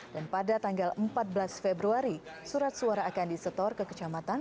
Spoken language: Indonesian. dan pada tanggal empat belas februari surat suara akan disetor ke kecamatan